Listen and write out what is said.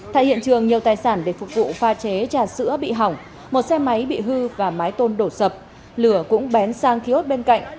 tại hiện trường nhiều tài sản để phục vụ pha chế trà sữa bị hỏng một xe máy bị hư và mái tôn đổ sập lửa cũng bén sang kiosk bên cạnh